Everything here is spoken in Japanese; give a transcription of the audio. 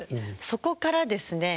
そこからですね